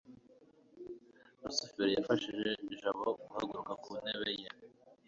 rusufero yafashije jabo guhaguruka ku ntebe ye